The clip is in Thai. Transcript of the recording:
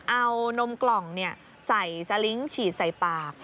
เอานมกล่องใส่สลิงค์ฉีดใส่ปาก